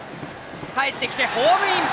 かえってきてホームイン。